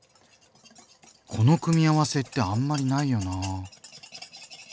この組み合わせってあんまりないよなぁ。